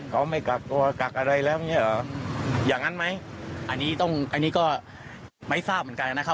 เขาไม่กักตัวกักอะไรแล้วอย่างเงี้เหรออย่างนั้นไหมอันนี้ต้องอันนี้ก็ไม่ทราบเหมือนกันนะครับ